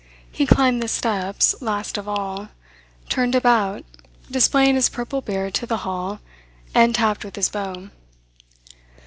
He climbed the steps last of all, turned about, displaying his purple beard to the hall, and tapped with his bow.